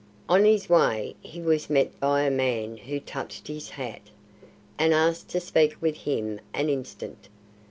On his way he was met by a man who touched his hat, and asked to speak with him an instant.